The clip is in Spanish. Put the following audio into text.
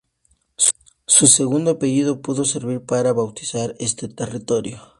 Su segundo apellido pudo servir para bautizar este territorio.